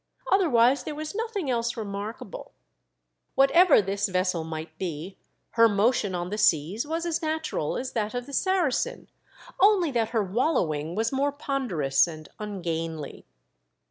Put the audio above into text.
Otherwise there was nothing else remarkable. What ever this vessel might be, her motion on the seas v/as as natural as that of the Saracen, only that her wallowing was more ponderous and ungainly.